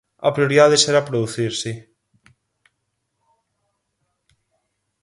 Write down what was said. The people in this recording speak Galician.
A prioridade será producir, si.